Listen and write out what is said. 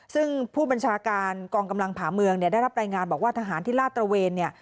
ซึ่งผู้บัญชาการกองกำลังผ่าเมืองเนี่ยได้รับรายงานบอกว่าทหารที่ลาดตระเวนเนี่ย